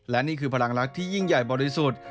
และนี่คือพลังลักษณ์ที่ยิ่งใหญ่บริสุทธิ์